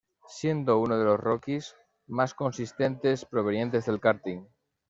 Siendo uno de los "rookies" más consistentes provenientes del karting.